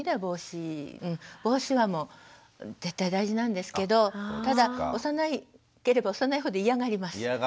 帽子はもう絶対大事なんですけどただ幼ければ幼いほど嫌がります。